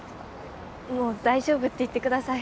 もう大丈夫って言ってください。